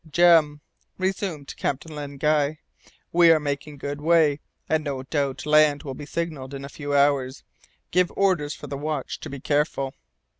"Jem," resumed Captain Len Guy, "we are making good way, and no doubt land will be signalled in a few hours. Give orders for the watch to be careful."